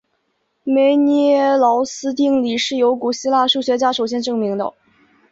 梅涅劳斯定理是由古希腊数学家首先证明的。